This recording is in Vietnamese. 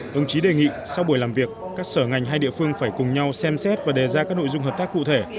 đồng chí đề nghị sau buổi làm việc các sở ngành hai địa phương phải cùng nhau xem xét và đề ra các nội dung hợp tác cụ thể